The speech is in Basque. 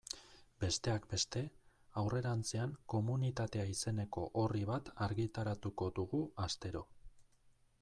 Besteak beste, aurrerantzean Komunitatea izeneko orri bat argitaratuko dugu astero.